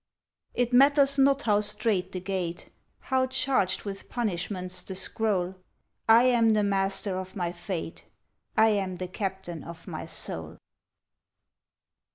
It matters not how strait the gate, How charged with punishments the scroll, I am the master of my fate; I am the captain of my soul.